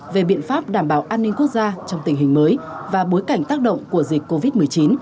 về biện pháp đảm bảo an ninh quốc gia trong tình hình mới và bối cảnh tác động của dịch covid một mươi chín